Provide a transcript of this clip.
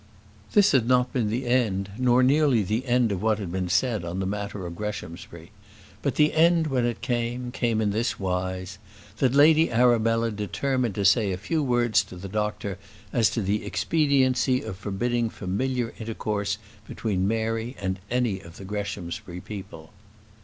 This had not been the end, nor nearly the end of what had been said on the matter at Greshamsbury; but the end, when it came, came in this wise, that Lady Arabella determined to say a few words to the doctor as to the expediency of forbidding familiar intercourse between Mary and any of the Greshamsbury people.